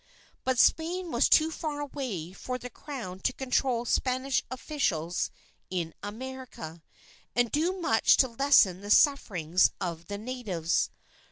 But Spain was too far away for the Crown to control Spanish officials in America, and do much to lessen the sufferings of the natives.